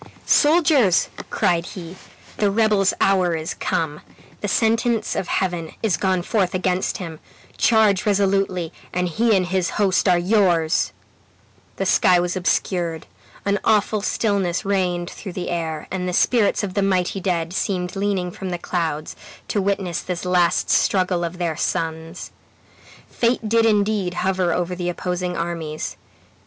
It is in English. "Soldiers!" cried he, "the rebel's hour is come. The sentence of Heaven is gone forth against him. Charge resolutely, and he and his host are yours!" The sky was obscured; an awful stillness reigned through the air, and the spirits of the mighty dead seemed leaning from the clouds, to witness this last struggle of their sons. Fate did indeed hover over the opposing armies.